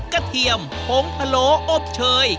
เทียมผงพะโลอบเชย